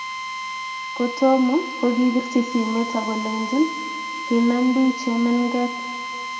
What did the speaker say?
kutomo ko kipirchi simee akulenchi kinam biich chemenket